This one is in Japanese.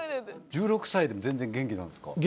１６歳でも全然元気なんですか？